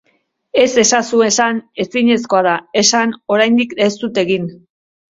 Ez ezazu esan: ezinezkoa da. Esan: oraindik ez dut egin.